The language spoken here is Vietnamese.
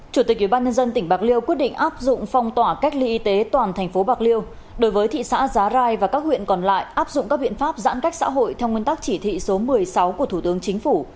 chủ tịch ubnd tỉnh bạc liêu quyết định áp dụng phong tỏa cách ly y tế toàn thành phố bạc liêu đối với thị xã giá rai và các huyện còn lại áp dụng các biện pháp giãn cách xã hội theo nguyên tắc chỉ thị số một mươi sáu của thủ tướng chính phủ